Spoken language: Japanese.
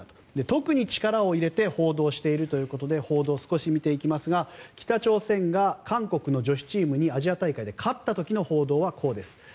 特に力を入れて報道しているということで報道を少し見ていきますが北朝鮮が韓国の女子チームにアジア大会で勝った時の報道はこうです。